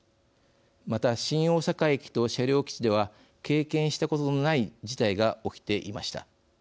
また、新大阪駅と車両基地では経験したことのない事態が起きていました。